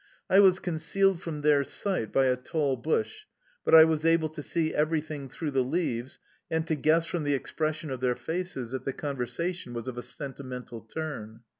I was concealed from their sight by a tall bush, but I was able to see everything through the leaves, and to guess from the expression of their faces that the conversation was of a sentimental turn.